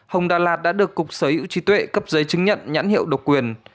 hồng đà lạt đã được cục sở hữu trí tuệ cấp giấy chứng nhận nhãn hiệu độc quyền